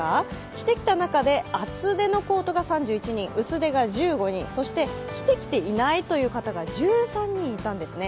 着てきた中で厚手のコートが３１人、薄手が１５人、そして着てきていないという方が１３人いたんですね。